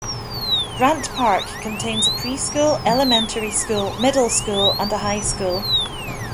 Grant Park contains a preschool, elementary school, middle school, and a high school.